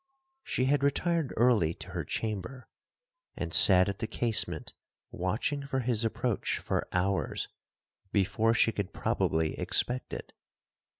She had retired early to her chamber, and sat at the casement watching for his approach for hours before she could probably expect it.